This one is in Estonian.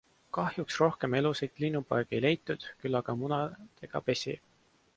Kahjuks rohkem elusaid linnupoegi ei leitud, küll aga munadega pesi.